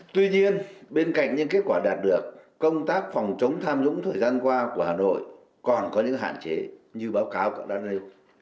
tuy nhiên bên cạnh những kết quả đạt được công tác phòng chống tham nhũng thời gian qua của hà nội còn có những hạn chế như báo cáo đã nêu